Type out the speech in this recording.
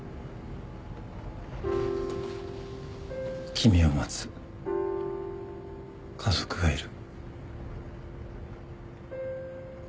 君を待つ家族がいる。